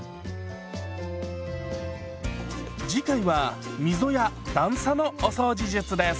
次回は溝や段差のお掃除術です。